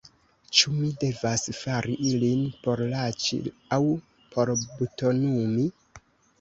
Ĉu mi devas fari ilin por laĉi aŭ por butonumi?